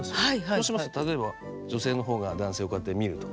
そうしますと例えば女性の方が男性をこうやって見るとか。